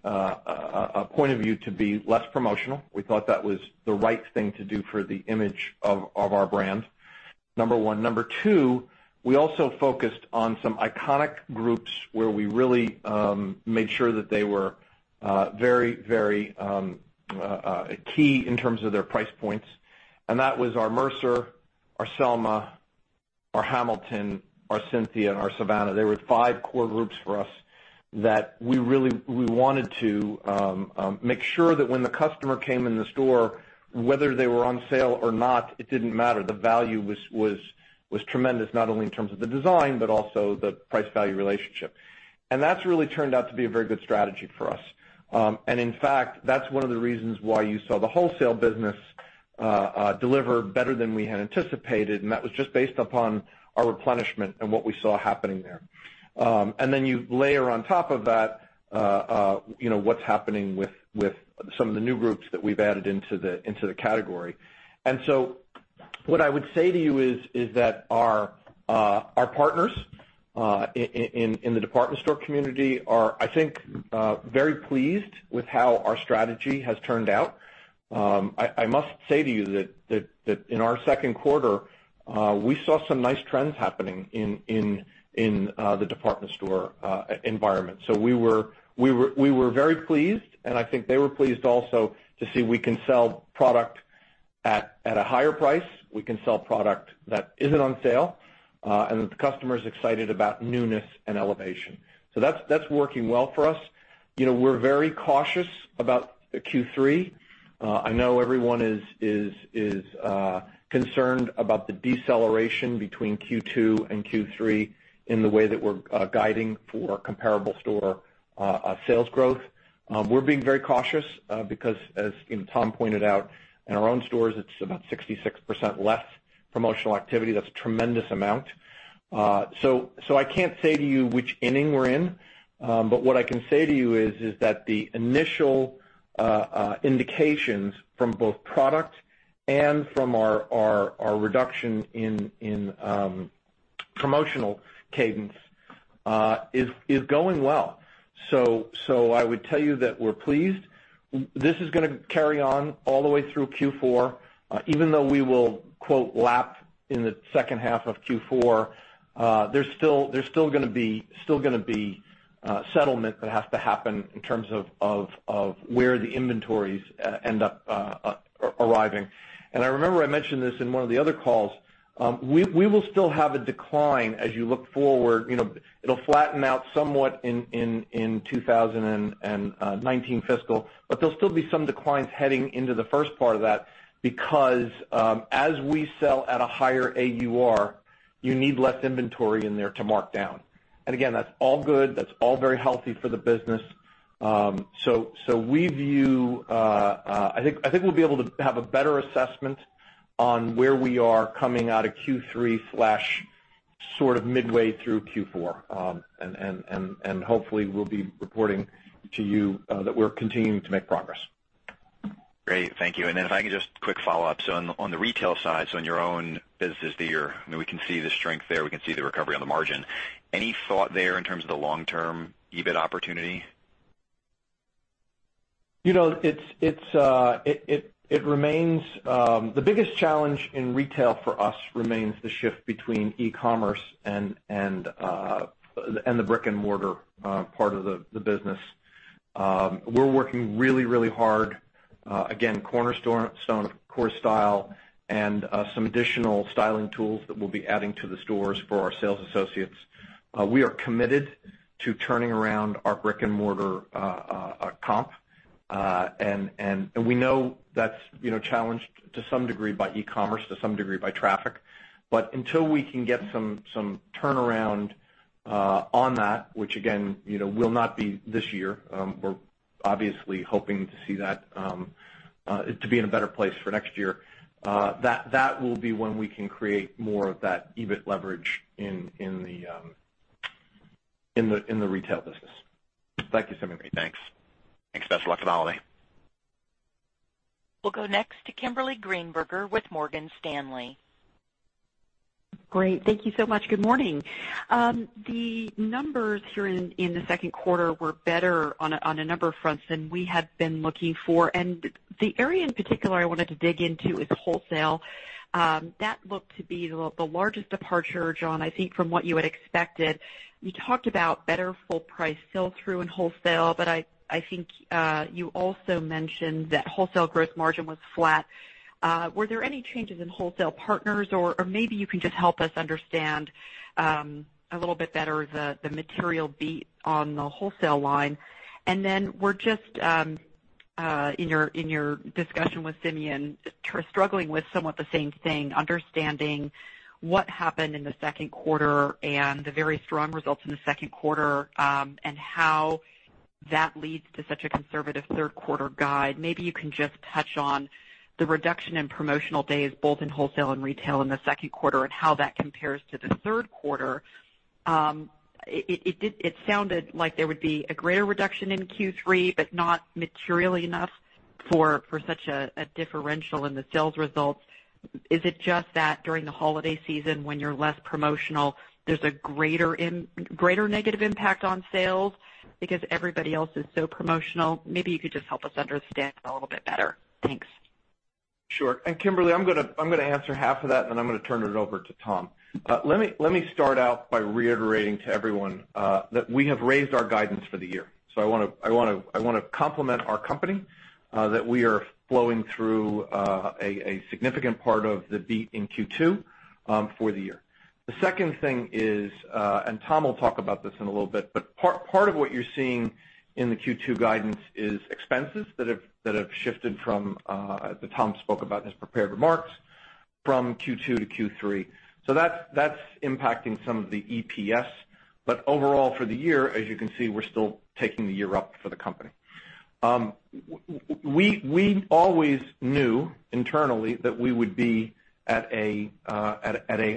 point of view to be less promotional. We thought that was the right thing to do for the image of our brand, number one. Number two, we also focused on some iconic groups where we really made sure that they were very key in terms of their price points. That was our Mercer, our Selma, our Hamilton, our Cynthia, and our Savannah. They were five core groups for us that we wanted to make sure that when the customer came in the store, whether they were on sale or not, it didn't matter. The value was tremendous, not only in terms of the design, but also the price-value relationship. That's really turned out to be a very good strategy for us. In fact, that's one of the reasons why you saw the wholesale business deliver better than we had anticipated, and that was just based upon our replenishment and what we saw happening there. Then you layer on top of that what's happening with some of the new groups that we've added into the category. What I would say to you is that our partners in the department store community are, I think, very pleased with how our strategy has turned out. I must say to you that in our second quarter, we saw some nice trends happening in the department store environment. We were very pleased, and I think they were pleased also to see we can sell product at a higher price. We can sell product that isn't on sale, and that the customer is excited about newness and elevation. That's working well for us. We're very cautious about Q3. I know everyone is concerned about the deceleration between Q2 and Q3 in the way that we're guiding for comparable store sales growth. We're being very cautious because as Tom pointed out, in our own stores, it's about 66% less promotional activity. That's a tremendous amount. I can't say to you which inning we're in, but what I can say to you is that the initial indications from both product and from our reduction in promotional cadence is going well. I would tell you that we're pleased. This is going to carry on all the way through Q4. Even though we will "lap" in the second half of Q4, there's still going to be settlement that has to happen in terms of where the inventories end up arriving. I remember I mentioned this in one of the other calls. We will still have a decline as you look forward. It'll flatten out somewhat in 2019 fiscal, but there'll still be some declines heading into the first part of that because as we sell at a higher AUR, you need less inventory in there to mark down. Again, that's all good. That's all very healthy for the business. I think we'll be able to have a better assessment on where we are coming out of Q3 slash sort of midway through Q4. Hopefully, we'll be reporting to you that we're continuing to make progress. Great. Thank you. If I can just quick follow-up. On the retail side, so on your own businesses there, we can see the strength there. We can see the recovery on the margin. Any thought there in terms of the long-term EBIT opportunity? The biggest challenge in retail for us remains the shift between e-commerce and the brick-and-mortar part of the business. We're working really hard, again, cornerstone of Core Style, and some additional styling tools that we'll be adding to the stores for our sales associates. We are committed to turning around our brick-and-mortar comp. We know that's challenged to some degree by e-commerce, to some degree by traffic. Until we can get some turnaround on that, which again, will not be this year. We're obviously hoping to see that to be in a better place for next year. That will be when we can create more of that EBIT leverage in the retail business. Thank you, Simeon. Thanks. Thanks. Best of luck for the holiday. We'll go next to Kimberly Greenberger with Morgan Stanley. Great. Thank you so much. Good morning. The numbers here in the second quarter were better on a number of fronts than we had been looking for. The area in particular I wanted to dig into is wholesale. That looked to be the largest departure, John, I think, from what you had expected. You talked about better full price sell-through in wholesale. I think, you also mentioned that wholesale growth margin was flat. Were there any changes in wholesale partners or maybe you can just help us understand, a little bit better the material beat on the wholesale line. We're just, in your discussion with Simeon, struggling with somewhat the same thing, understanding what happened in the second quarter and the very strong results in the second quarter, and how that leads to such a conservative third quarter guide. Maybe you can just touch on the reduction in promotional days, both in wholesale and retail in the second quarter, and how that compares to the third quarter. It sounded like there would be a greater reduction in Q3. Not materially enough for such a differential in the sales results. Is it just that during the holiday season when you're less promotional, there's a greater negative impact on sales because everybody else is so promotional? Maybe you could just help us understand a little bit better. Thanks. Sure. Kimberly, I'm going to answer half of that. Then I'm going to turn it over to Tom. Let me start out by reiterating to everyone, that we have raised our guidance for the year. I want to compliment our company, that we are flowing through a significant part of the beat in Q2 for the year. The second thing is. Tom will talk about this in a little bit. Part of what you're seeing in the Q2 guidance is expenses that have shifted from, that Tom spoke about in his prepared remarks, from Q2 to Q3. That's impacting some of the EPS. Overall for the year, as you can see, we're still taking the year up for the company. We always knew internally that we would be at a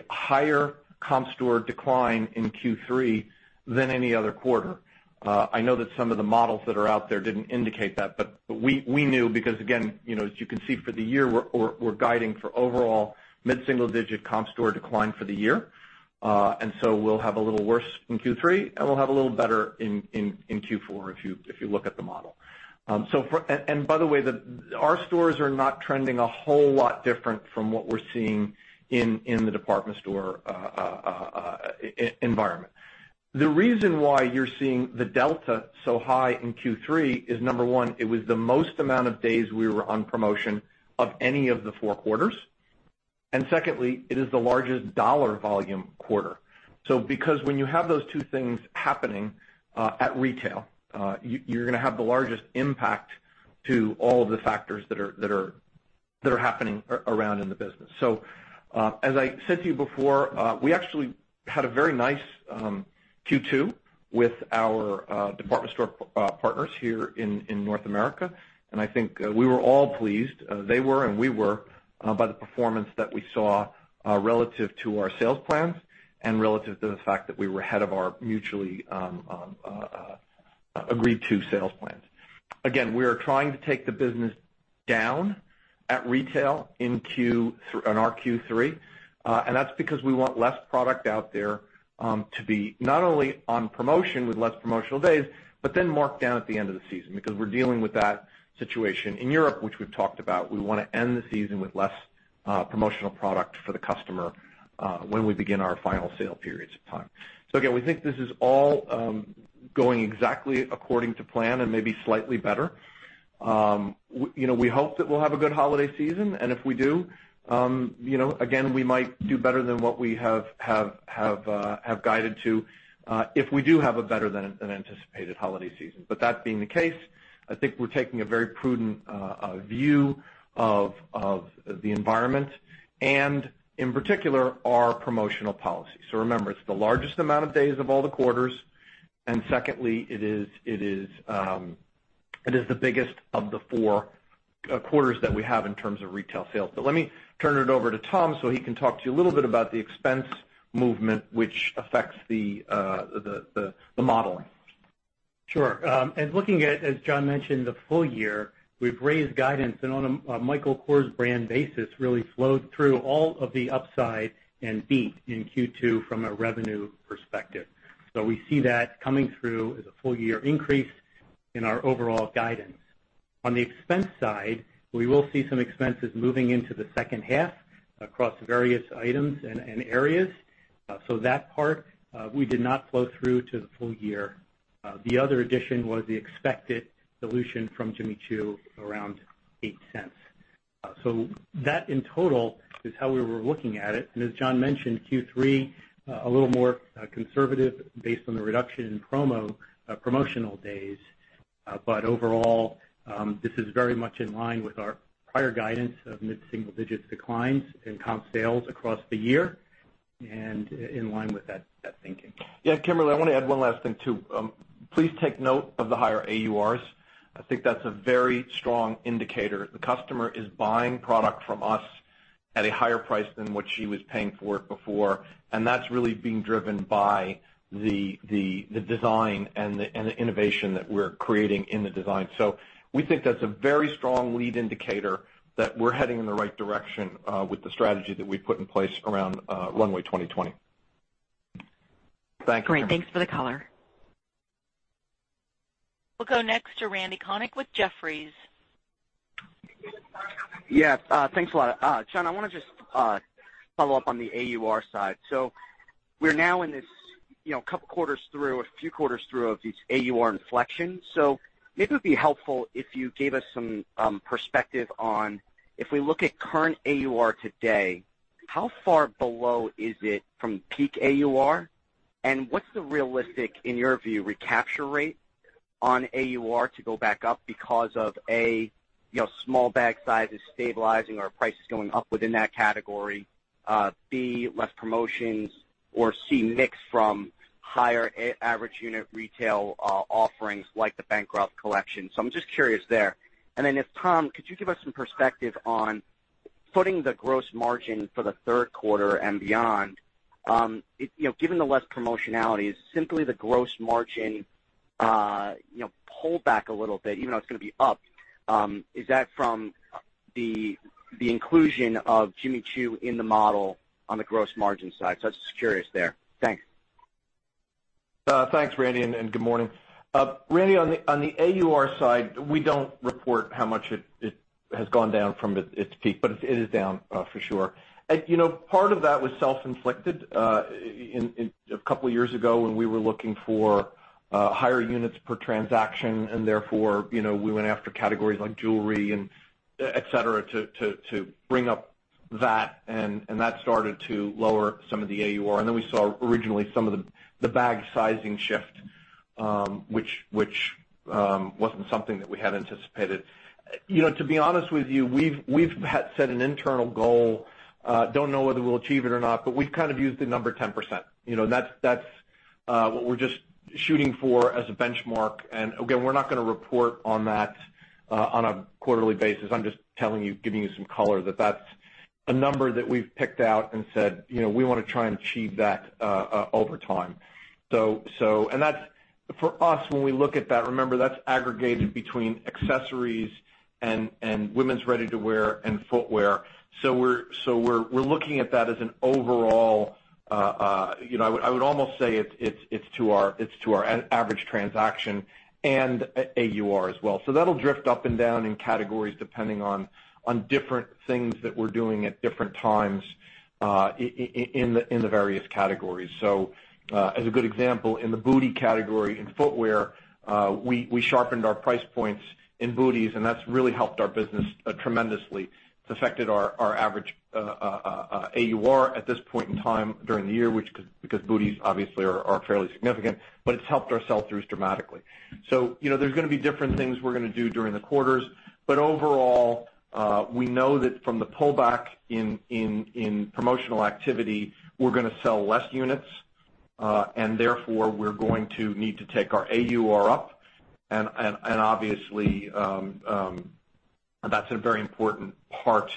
higher comp store decline in Q3 than any other quarter. I know that some of the models that are out there didn't indicate that. We knew because again, as you can see for the year, we're guiding for overall mid-single-digit comp store decline for the year. We'll have a little worse in Q3. We'll have a little better in Q4 if you look at the model. By the way, our stores are not trending a whole lot different from what we're seeing in the department store environment. The reason why you're seeing the delta so high in Q3 is, number 1, it was the most amount of days we were on promotion of any of the 4 quarters. Secondly, it is the largest dollar volume quarter. Because when you have those two things happening, at retail, you're going to have the largest impact to all of the factors that are happening around in the business. As I said to you before, we actually had a very nice Q2 with our department store partners here in North America, and I think we were all pleased. They were, and we were, by the performance that we saw relative to our sales plans and relative to the fact that we were ahead of our mutually agreed to sales plans. Again, we are trying to take the business down at retail in our Q3. That's because we want less product out there to be not only on promotion with less promotional days, but then marked down at the end of the season, because we're dealing with that situation in Europe, which we've talked about. We want to end the season with less promotional product for the customer when we begin our final sale periods of time. Again, we think this is all going exactly according to plan and maybe slightly better. We hope that we'll have a good holiday season, and if we do, again, we might do better than what we have guided to, if we do have a better than anticipated holiday season. That being the case, I think we're taking a very prudent view of the environment and, in particular, our promotional policy. Remember, it's the largest amount of days of all the quarters, and secondly, it is the biggest of the four quarters that we have in terms of retail sales. Let me turn it over to Tom so he can talk to you a little bit about the expense movement, which affects the modeling. Sure. Looking at, as John mentioned, the full year We've raised guidance and on a Michael Kors brand basis, really flowed through all of the upside and beat in Q2 from a revenue perspective. We see that coming through as a full year increase in our overall guidance. On the expense side, we will see some expenses moving into the second half across various items and areas. That part, we did not flow through to the full year. The other addition was the expected dilution from Jimmy Choo, around $0.08. That in total is how we were looking at it. As John mentioned, Q3, a little more conservative based on the reduction in promotional days. Overall, this is very much in line with our prior guidance of mid-single digits declines in comp sales across the year and in line with that thinking. Yeah, Kimberly, I want to add one last thing, too. Please take note of the higher AURs. I think that's a very strong indicator. The customer is buying product from us at a higher price than what she was paying for it before, and that's really being driven by the design and the innovation that we're creating in the design. We think that's a very strong lead indicator that we're heading in the right direction with the strategy that we've put in place around Runway 2020. Thanks. Great. Thanks for the color. We'll go next to Randal Konik with Jefferies. Thanks a lot. John, I want to just follow up on the AUR side. We're now in this couple quarters through, a few quarters through of these AUR inflection. Maybe it would be helpful if you gave us some perspective on, if we look at current AUR today, how far below is it from peak AUR? What's the realistic, in your view, recapture rate on AUR to go back up because of, A, small bag size is stabilizing or prices going up within that category, B, less promotions, or C, mix from higher average unit retail offerings like the Bancroft collection. I'm just curious there. If Tom, could you give us some perspective on putting the gross margin for the third quarter and beyond. Given the less promotionality, is simply the gross margin pull back a little bit even though it's going to be up? Is that from the inclusion of Jimmy Choo in the model on the gross margin side? I was just curious there. Thanks. Thanks, Randy, and good morning. Randy, on the AUR side, we don't report how much it has gone down from its peak, but it is down for sure. Part of that was self-inflicted. A couple of years ago when we were looking for higher units per transaction and therefore, we went after categories like jewelry and et cetera to bring up that, and that started to lower some of the AUR. Then we saw originally some of the bag sizing shift, which wasn't something that we had anticipated. To be honest with you, we've had set an internal goal. Don't know whether we'll achieve it or not, but we've kind of used the number 10%. That's what we're just shooting for as a benchmark. Again, we're not going to report on that on a quarterly basis. I'm just giving you some color that that's a number that we've picked out and said, we want to try and achieve that over time. For us, when we look at that, remember, that's aggregated between accessories and women's ready-to-wear and footwear. We're looking at that as an overall. I would almost say it's to our average transaction and AUR as well. That'll drift up and down in categories depending on different things that we're doing at different times in the various categories. As a good example, in the bootie category in footwear, we sharpened our price points in booties, and that's really helped our business tremendously. It's affected our average AUR at this point in time during the year, because booties obviously are fairly significant, but it's helped our sell-throughs dramatically. There's going to be different things we're going to do during the quarters. Overall, we know that from the pullback in promotional activity, we're going to sell less units. Therefore, we're going to need to take our AUR up. Obviously, that's a very important part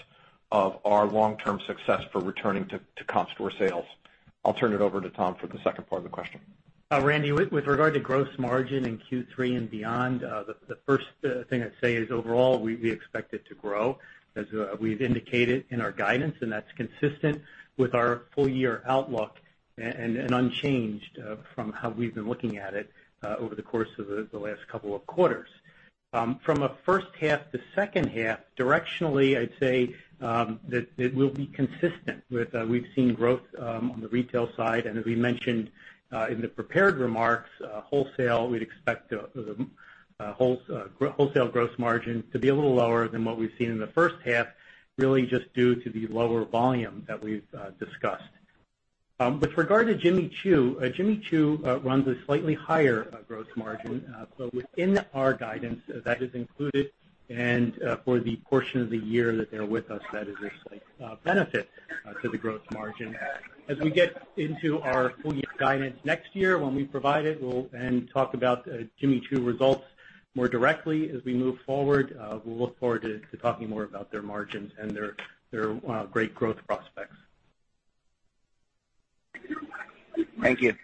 of our long-term success for returning to comp store sales. I'll turn it over to Tom for the second part of the question. Randy, with regard to gross margin in Q3 and beyond, the first thing I'd say is overall, we expect it to grow, as we've indicated in our guidance, and that's consistent with our full year outlook and unchanged from how we've been looking at it over the course of the last couple of quarters. From a first half to second half, directionally, I'd say that it will be consistent with. We've seen growth on the retail side, and as we mentioned in the prepared remarks, wholesale, we'd expect the wholesale gross margin to be a little lower than what we've seen in the first half, really just due to the lower volume that we've discussed. With regard to Jimmy Choo, Jimmy Choo runs a slightly higher gross margin. Within our guidance, that is included, and for the portion of the year that they're with us, that is a slight benefit to the gross margin. As we get into our full year guidance next year, when we provide it, and talk about Jimmy Choo results more directly as we move forward, we'll look forward to talking more about their margins and their great growth prospects. Thank you.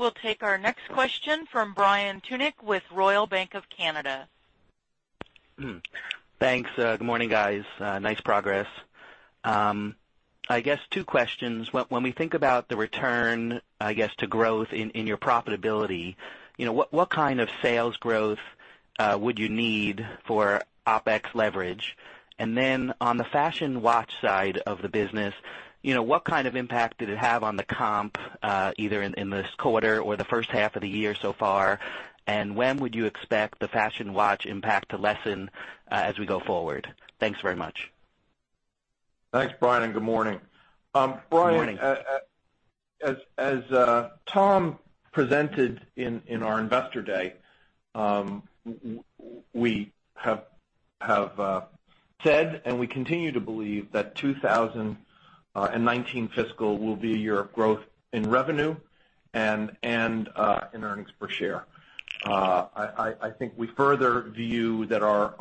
We'll take our next question from Brian Tunick with Royal Bank of Canada. Thanks. Good morning, guys. Nice progress. I guess two questions. When we think about the return, I guess, to growth in your profitability, what kind of sales growth would you need for OpEx leverage? And then on the fashion watch side of the business, what kind of impact did it have on the comp, either in this quarter or the first half of the year so far? And when would you expect the fashion watch impact to lessen as we go forward? Thanks very much. Thanks, Brian, and good morning. Morning. Brian, as Tom presented in our investor day, we have said, and we continue to believe that 2019 fiscal will be a year of growth in revenue and in earnings per share. I think we further view that our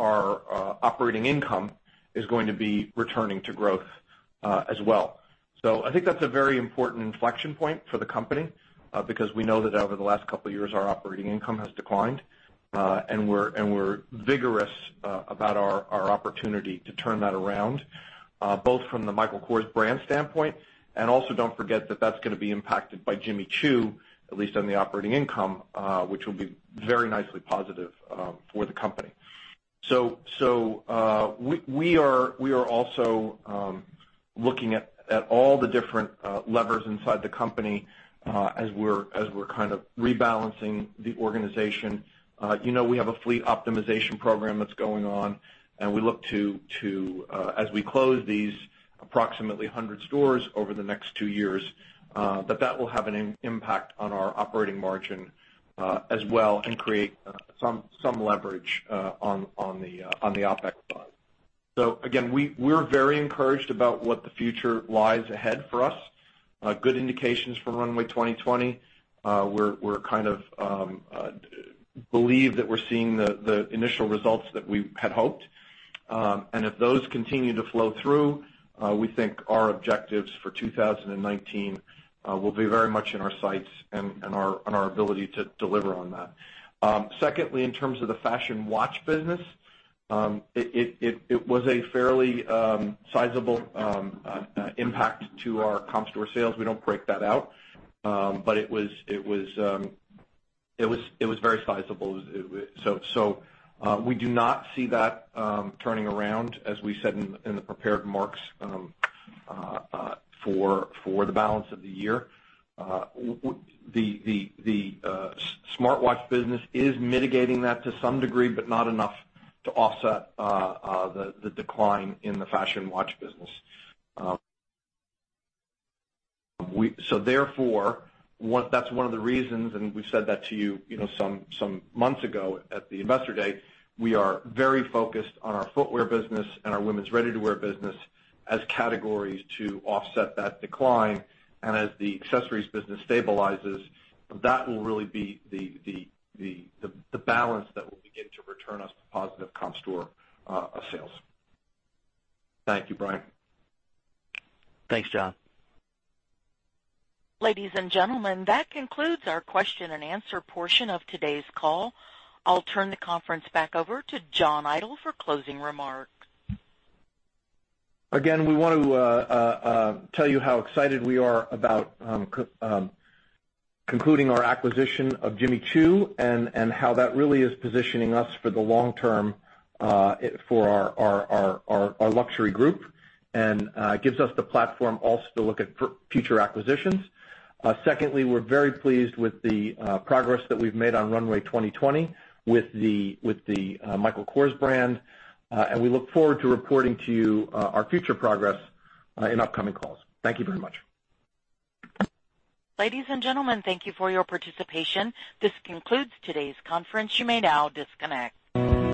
operating income is going to be returning to growth as well. I think that's a very important inflection point for the company, because we know that over the last couple of years, our operating income has declined. We're vigorous about our opportunity to turn that around, both from the Michael Kors brand standpoint. Also don't forget that that's going to be impacted by Jimmy Choo, at least on the operating income, which will be very nicely positive for the company. We are also looking at all the different levers inside the company as we're kind of rebalancing the organization. We have a fleet optimization program that's going on, and we look to, as we close these approximately 100 stores over the next two years, that that will have an impact on our operating margin as well and create some leverage on the OpEx side. Again, we're very encouraged about what the future lies ahead for us. Good indications from Runway 2020. We believe that we're seeing the initial results that we had hoped. If those continue to flow through, we think our objectives for 2019 will be very much in our sights and our ability to deliver on that. Secondly, in terms of the fashion watch business, it was a fairly sizable impact to our comp store sales. We don't break that out. It was very sizable. We do not see that turning around, as we said in the prepared remarks, for the balance of the year. The smartwatch business is mitigating that to some degree, but not enough to offset the decline in the fashion watch business. Therefore, that's one of the reasons, and we've said that to you some months ago at the investor day, we are very focused on our footwear business and our women's ready-to-wear business as categories to offset that decline. As the accessories business stabilizes, that will really be the balance that will begin to return us to positive comp store sales. Thank you, Brian. Thanks, John. Ladies and gentlemen, that concludes our question and answer portion of today's call. I'll turn the conference back over to John Idol for closing remarks. We want to tell you how excited we are about concluding our acquisition of Jimmy Choo, how that really is positioning us for the long term for our luxury group, gives us the platform also to look at future acquisitions. Secondly, we're very pleased with the progress that we've made on Runway 2020 with the Michael Kors brand, we look forward to reporting to you our future progress in upcoming calls. Thank you very much. Ladies and gentlemen, thank you for your participation. This concludes today's conference. You may now disconnect.